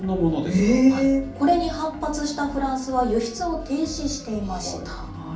これに反発したフランスは輸出を停止していました。